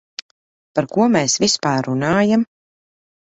Par ko mēs vispār runājam?